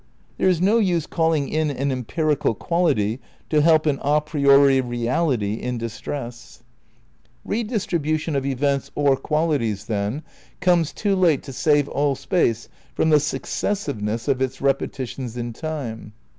There is no use calling in an empirical quality to help an a priori reality in distress. 178 THE NEW IDEALISM v Redistribution of events (or qualities), then, comes too late to save all Space from the successiveness of its repetitions in Time.